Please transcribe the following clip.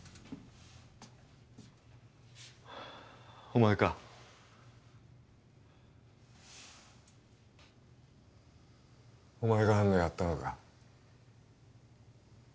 お前かお前が安野をやったのか？